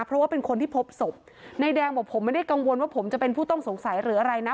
เพราะว่าเป็นคนที่พบศพนายแดงบอกผมไม่ได้กังวลว่าผมจะเป็นผู้ต้องสงสัยหรืออะไรนะ